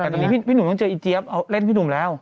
แต่ตอนนี้พี่หนุ่มต้องเจออีเจี๊ยบเอาเล่นพี่หนุ่มแล้ว